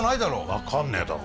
分かんねえだろ。